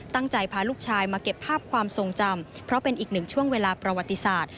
ตั้งใจพาลูกชายมาเก็บภาพความทรงจำเพราะเป็นอีกหนึ่งช่วงเวลาประวัติศาสตร์